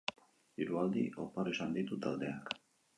Hiru aldi oparo izan ditu taldeak.